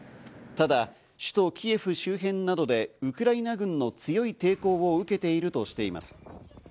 ただ、首都キエフ周辺などでウクライナ軍の強い抵抗を受けているとしています。